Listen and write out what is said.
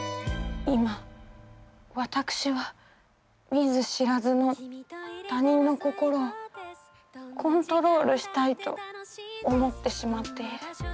今私は見ず知らずの他人の心をコントロールしたいと思ってしまっている。